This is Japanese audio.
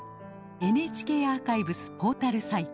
ＮＨＫアーカイブスポータルサイト。